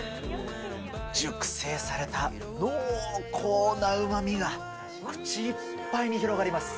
熟成された濃厚なうまみが口いっぱいに広がります。